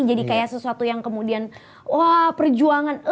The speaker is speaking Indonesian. jadi kayak sesuatu yang kemudian wah perjuangan